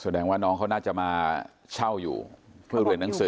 แสดงว่าน้องเขาน่าจะมาเช่าอยู่เพื่อเรียนหนังสือ